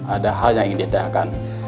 ada hal yang ingin diadakan